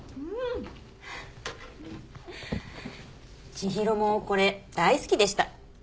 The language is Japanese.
千尋もこれ大好きでした。